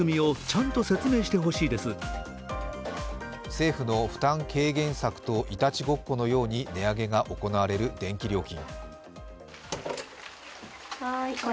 政府の負担軽減策といたちごっこのように値上げが行われる電気料金。